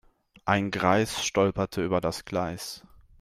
Ein Greis stolperte über das Gleis.